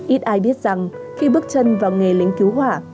ít ai biết rằng khi bước chân vào nghề lính cứu hỏa